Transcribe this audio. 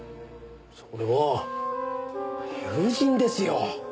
それは友人ですよ。